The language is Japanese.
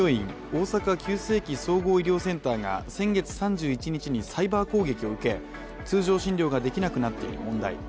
大阪急性期・総合医療センターが先月３１日にサイバー攻撃を受け、通常診療ができなくなっている問題。